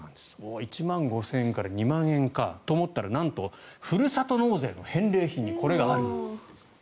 １万５０００円から２万円かと思ったらなんと、ふるさと納税の返礼品にこれがある。